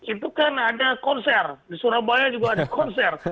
itu kan ada konser di surabaya juga ada konser